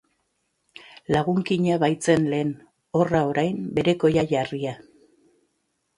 Lagunkina baitzen lehen, horra orain berekoi jarria.